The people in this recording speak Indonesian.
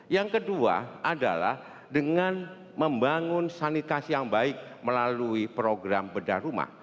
yang kedua adalah dengan membangun sanitasi yang baik melalui program bedah rumah